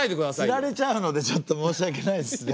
つられちゃうのでちょっと申し訳ないですね。